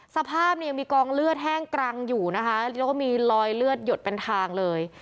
สภาพเนี่ยยังมีกองเลือดแห้งกรังอยู่นะคะแล้วก็มีรอยเลือดหยดเป็นทางเลย